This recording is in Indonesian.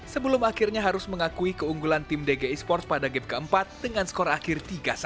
sebelum akhirnya harus mengakui keunggulan tim dg esports pada game keempat dengan skor akhir tiga satu